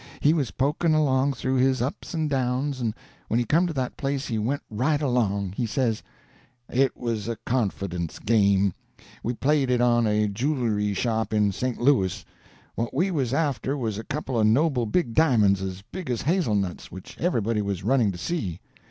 He was poking along through his ups and downs, and when he come to that place he went right along. He says: "It was a confidence game. We played it on a julery shop in St. Louis. What we was after was a couple of noble big di'monds as big as hazel nuts, which everybody was running to see.